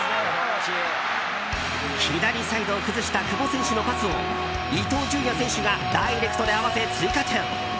左サイドを崩した久保選手のパスを伊東純也選手がダイレクトで合わせ、追加点。